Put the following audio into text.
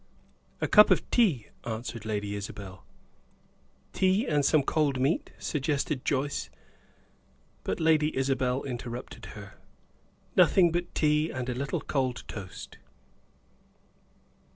"A cup of tea," answered Lady Isabel. "Tea and some cold meat?" suggested Joyce. But Lady Isabel interrupted her. "Nothing but tea and a little cold toast."